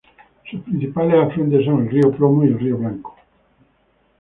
Sus principales afluentes son el río Plomo y el río Blanco.